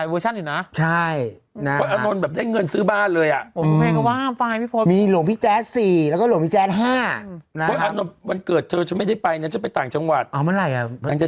บวชจริงจริงบวชป้อมป้อมกับบวชบวชจริงจริงก็บวชครับผมใช่